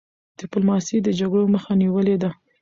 ډيپلوماسی د جګړو مخه نیولي ده.